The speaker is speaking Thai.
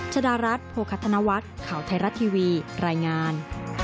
ชดารัฐโภคธนวัฒน์ข่าวไทยรัฐทีวีรายงาน